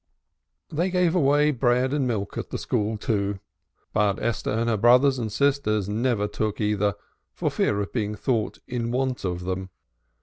They gave away bread and milk at the school, too, but Esther and her brothers and sisters never took either, for fear of being thought in want of them.